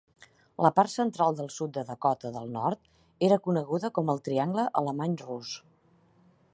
La part central del sud de Dakota del Nord era coneguda com "el triangle alemany-rus".